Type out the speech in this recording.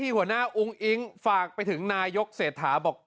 หัวหน้าอุ้งอิ๊งฝากไปถึงนายกเศรษฐาบอก